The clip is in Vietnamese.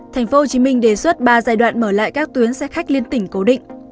thành phố hồ chí minh đề xuất ba giai đoạn mở lại các tuyến xe khách liên tỉnh cố định